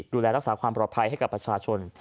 ดูแลรักษาความปลอดภัยให้กับประชาชน